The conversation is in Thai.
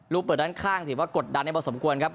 เปิดด้านข้างถือว่ากดดันได้พอสมควรครับ